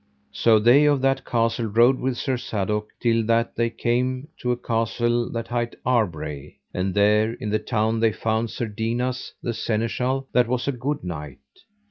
So they of that castle rode with Sir Sadok till that they came to a castle that hight Arbray, and there in the town they found Sir Dinas the Seneschal, that was a good knight.